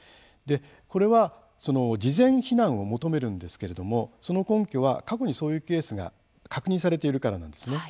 これは事前避難を求めるんですけれどもその根拠は過去に、そういうケースが確認されているからなんですね。